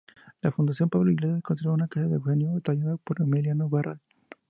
La Fundación Pablo Iglesias conserva una cabeza de Eugenio tallada por Emiliano Barral.